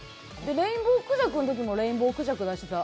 レインボークジャクのときもレインボークジャクを出してた。